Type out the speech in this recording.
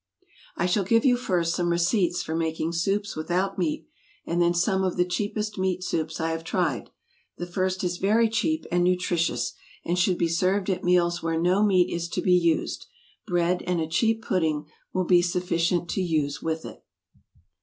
I shall give you first some receipts for making soups without meat, and then some of the cheapest meat soups I have tried. The first is very cheap and nutritious, and should be served at meals where no meat is to be used; bread, and a cheap pudding, will be sufficient to use with it.